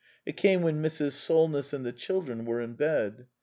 It came when Mrs. Solness and the children were in bed.